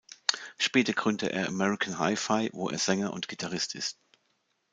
Später gründete er American Hi-Fi, wo er Sänger und Gitarrist ist.